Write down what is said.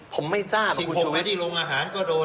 ผมไม่ทราบคุณชุวิช๑๖วันที่โรงอาหารก็โดน